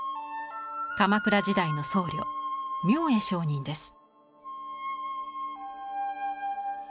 鎌倉時代の僧侶明恵上人です。